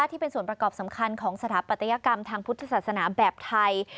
ที่เป็นส่วนประกอบสำคัญของสถาปัตยกรรมทางพุทธศาสนาแบบไทย